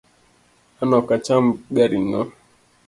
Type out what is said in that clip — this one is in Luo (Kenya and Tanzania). An ok acham ga ring'o